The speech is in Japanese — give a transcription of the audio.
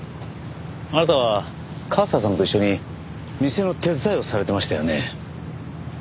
あなたは和沙さんと一緒に店の手伝いをされてましたよね。